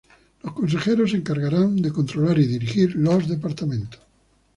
Los consejeros se encargarán de controlar y dirigir los Departamentos.